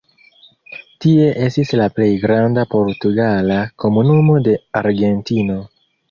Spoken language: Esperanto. Tie estis la plej granda portugala komunumo de Argentino.